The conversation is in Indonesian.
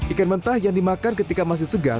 ikan mentah yang dimakan ketika masih segar